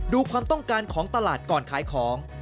ความต้องการของตลาดก่อนขายของ